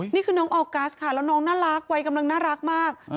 นี่คือน้องออกัสค่ะแล้วน้องน่ารักวัยกำลังน่ารักมาก